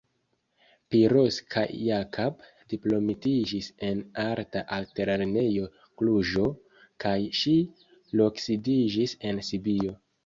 Piroska Jakab diplomitiĝis en Arta Altlernejo Kluĵo kaj ŝi loksidiĝis en Sibio.